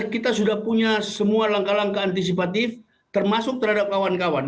kita sudah punya semua langkah langkah antisipatif termasuk terhadap kawan kawan